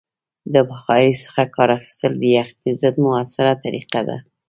د بخارۍ څخه کار اخیستل د یخنۍ ضد مؤثره طریقه ده.